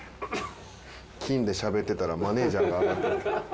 「金」でしゃべってたらマネージャーが上がってきた。